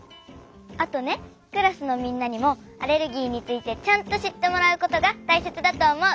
あとねクラスのみんなにもアレルギーについてちゃんとしってもらうことがたいせつだとおもう。